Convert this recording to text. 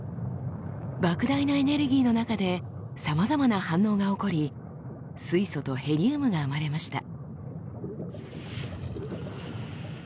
ばく大なエネルギーの中でさまざまな反応が起こり水素とヘリウムが生まれました。